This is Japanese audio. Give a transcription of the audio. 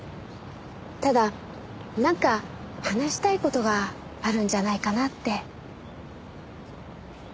ただなんか話したい事があるんじゃないかなって。